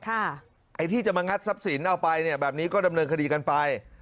ไอ้ที่จะมางัดทรัพย์สินเอาไปเนี่ยแบบนี้ก็ดำเนินคดีกันไป